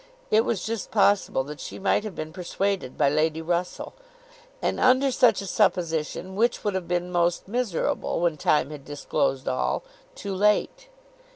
It was just possible that she might have been persuaded by Lady Russell! And under such a supposition, which would have been most miserable, when time had disclosed all, too late?